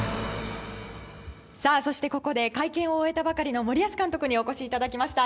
そして、ここで会見を終えたばかりの森保監督にお越しいただきました。